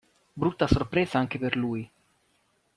Brutta sorpresa anche per lui.